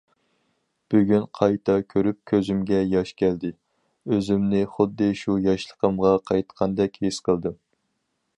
بۈگۈن قايتا كۆرۈپ كۆزۈمگە ياش كەلدى، ئۆزۈمنى خۇددى شۇ ياشلىقىمغا قايتقاندەك ھېس قىلدىم.